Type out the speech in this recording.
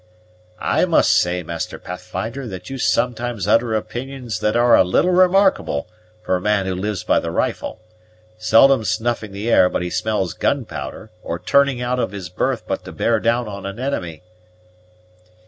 "I must say, Master Pathfinder, that you sometimes utter opinions that are a little remarkable for a man who lives by the rifle; seldom snuffing the air but he smells gunpowder, or turning out of his berth but to bear down on an enemy."